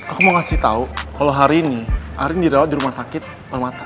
aku mau ngasih tau kalau hari ini arin dirawat di rumah sakit permata